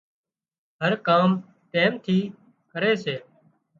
هر ڪام ٽيم ٿي ڪري سي